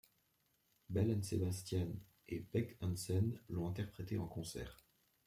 Belle and Sebastian et Beck Hansen l'ont interprétée en concert.